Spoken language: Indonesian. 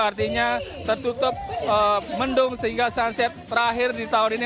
artinya tertutup mendung sehingga sunset terakhir di tahun ini